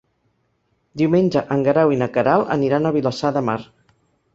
Diumenge en Guerau i na Queralt aniran a Vilassar de Mar.